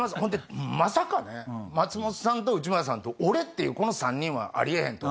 まさかね松本さんと内村さんと俺っていうこの３人はありえへんと。